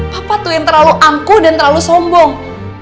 papa tuh yang terlalu angkuh dan terlalu sombong